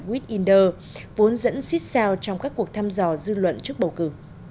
gwitinder vốn dẫn xích sao trong các cuộc thăm dò dư luận trước bầu cử